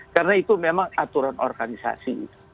karena itu memang aturan organisasi